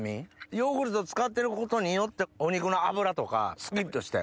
ヨーグルト使ってることによってお肉の脂とかすきっとして。